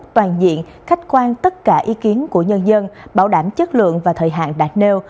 toàn diện khách quan tất cả ý kiến của nhân dân bảo đảm chất lượng và thời hạn đạt nêu